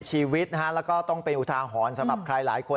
ชีวิตนะฮะแล้วก็ต้องเป็นอุทาหรณ์สำหรับใครหลายคน